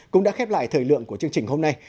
cũng đã khép lại thời lượng của chương trình hôm nay